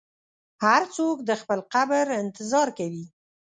هر څوک د خپل قبر انتظار کوي.